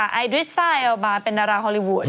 ไอดริสไซเอลบาร์เป็นดาราฮอลลีวูด